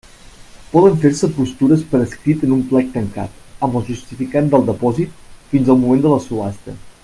Poden fer-se postures per escrit en un plec tancat, amb el justificant del depòsit, fins al moment de la subhasta.